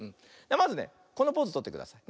まずねこのポーズとってくださいね。